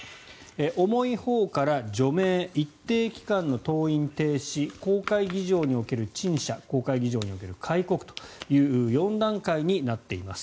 重いほうから除名、一定期間の登院停止公開議場における陳謝公開議場における戒告という４段階になっています。